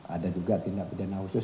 ada juga tindak pidana khusus